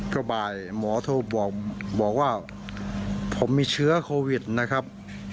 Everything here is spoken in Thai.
ก็บ่ายหมอโทรบอกว่าผมมีเชื้อโควิดนะครับ